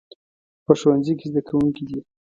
په ښوونځي کې زده کوونکي دي